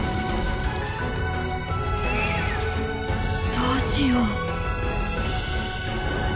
「どうしよう」。